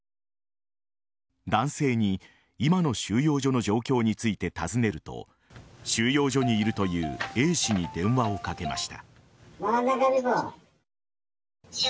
男性に今の収容所の状況について尋ねると収容所にいるというＡ氏に電話をかけました。